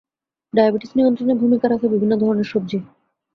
Diabetes নিয়ন্ত্রণে ভূমিকা রাখে বিভিন্ন ধরনের সবজি।